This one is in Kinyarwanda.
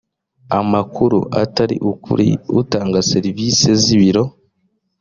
amakuru atari ukuri utanga serivisi z ibiro